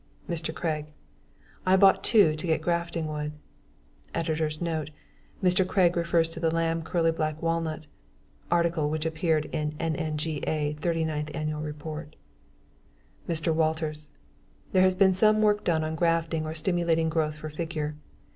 MR. CRAIG: I bought two to get grafting wood. [Editor's note: Mr. Craig refers to the Lamb curly black walnut, article on which appeared in NNGA 39th Annual Report.] MR. WALTERS: There has been some work done on grafting or stimulating growth for figure.